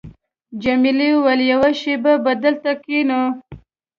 جميلې وويل:، یوه شېبه به دلته کښېنو.